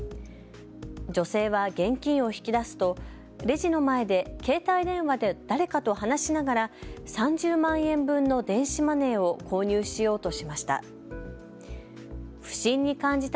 女性は現金を引き出すとレジの前で携帯電話で誰かと話しながら３０万円分の電子マネーを購入しようとしました。